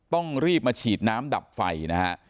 ต้องรีบมาฉีดน้ำดับไฟนะฮะ